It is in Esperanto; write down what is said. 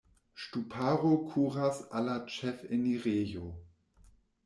Ŝtuparo kuras al la ĉefenirejo.